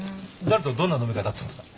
誰とどんな飲み会だったんですか？